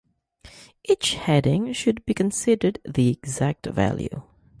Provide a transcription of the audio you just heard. Each heading should be considered the exact value.